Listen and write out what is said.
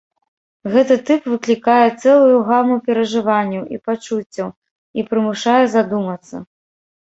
Гэты тып выклікае цэлую гаму перажыванняў і пачуццяў і прымушае задумацца.